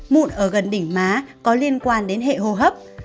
mụn ở gần đỉnh má có liên quan đến hệ hô hấp